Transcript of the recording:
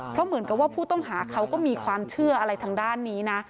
เพราะเหมือนกับว่าผู้ต้องหาเขาก็มีความเชื่ออะไรทางด้านนี้นะ